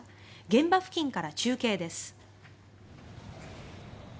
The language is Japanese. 現場付近から中継です。